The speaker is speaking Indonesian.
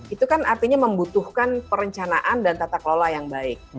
itu kan artinya membutuhkan perencanaan dan tata kelola yang baik